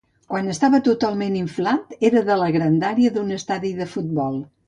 Quan estava totalment inflat, era la grandària d'un estadi de futbol.